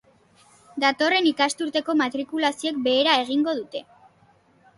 Datorren ikasturteko matrikulazioek behera egingo al dute?